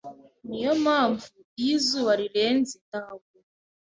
Niyo mpamvu iyo izuba rirenze ndahaguma '